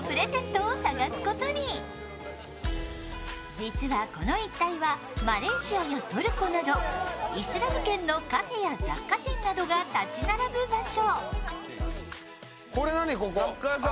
実はこの一帯はマレーシアやトルコなどイスラム圏のカフェや雑貨店などが立ち並ぶ場所。